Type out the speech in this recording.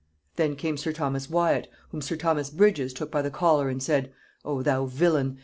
Then came sir Thomas Wyat, whom sir Thomas Bridges took by the collar, and said; 'O thou villain!